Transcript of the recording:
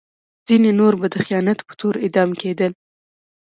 ځینې نور به د خیانت په تور اعدام کېدل.